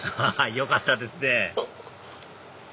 よかったですね